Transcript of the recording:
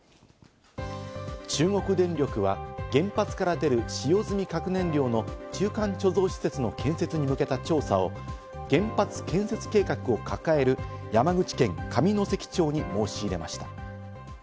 中国電力は原発から出る使用済み核燃料の中間貯蔵施設の建設に向けた調査を原発建設計画を抱える山口県上関町に申し入れました。